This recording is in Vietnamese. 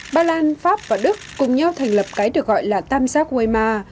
ba lan pháp và đức cùng nhau thành lập cái được gọi là tamzak weimar